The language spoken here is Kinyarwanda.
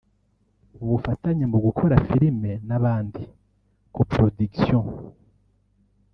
ubufatanye mu gukora filime n’abandi (co-production